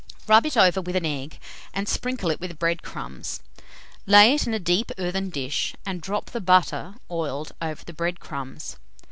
Rub it over with an egg, and sprinkle it with bread crumbs, lay it in a deep earthen dish, and drop the butter, oiled, over the bread crumbs.